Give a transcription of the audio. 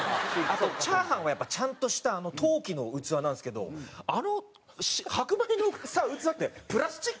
あとチャーハンはやっぱちゃんとした陶器の器なんですけどあの白米の器ってプラスチック。